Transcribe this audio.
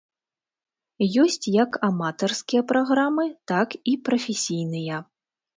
Ёсць як аматарскія праграмы, так і прафесійныя.